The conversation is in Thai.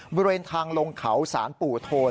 บริเวณทางลงเขาสารปู่โทน